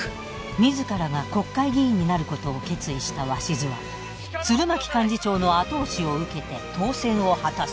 自らが国会議員になることを決意した鷲津は鶴巻幹事長の後押しを受けて当選を果たす。